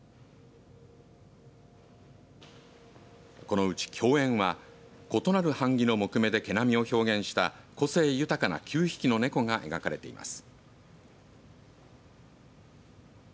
このうち競艶は異なる版木の木目で毛並みを表現した個性豊かな９匹の猫が描かれています。